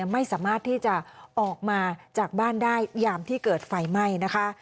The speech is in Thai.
ไม่สามารถที่จะออกมาจากบ้านได้ยามที่เกิดไฟไหม้นะคะ